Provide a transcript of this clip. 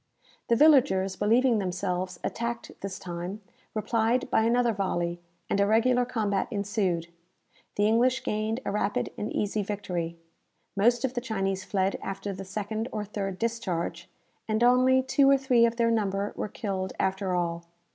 The villagers believing themselves attacked this time, replied by another volley, and a regular combat ensued. The English gained a rapid and easy victory, most of the Chinese fled after the second or third discharge, and only two or three of their number were killed after all.